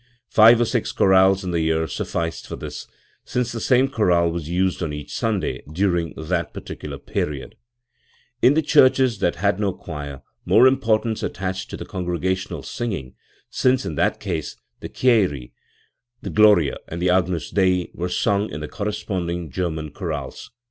Five or six chorales in the year sufficed for this, since the same chorale was used on each Sunday during that particular period, In the churches that had t no choir, more importance attached to the congregational singing, since in that case the Kyrie, the Gloria and the Agnus Dei were sung in the corresponding German chorales.